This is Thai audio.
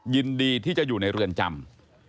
ยินดีที่จะอยู่ในเรือนจำ